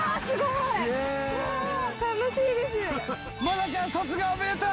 愛菜ちゃん卒業おめでとう！